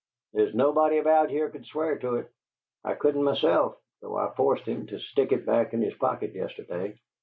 There's nobody about here could swear to it. I couldn't myself, though I forced him to stick it back in his pocket yesterday.